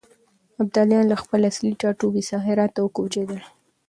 ابداليان له خپل اصلي ټاټوبي څخه هرات ته وکوچېدل.